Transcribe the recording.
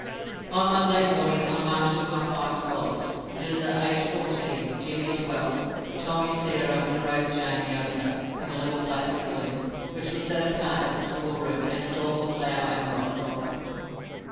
On Monday morning I marshalled my five scholars (Lizer, aged fourteen; Jimmy, twelve; Tommy, Sarah, and Rose Jane, younger) in a little back skillion, which was set apart as a schoolroom and store for flour and rock salt.